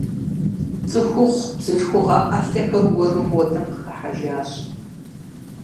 Цӏыхухъу, бзылъхугъэ ӏэлъэхэр уэру модэм къыхыхьэжащ.